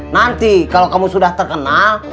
nanti kalau kamu sudah terkenal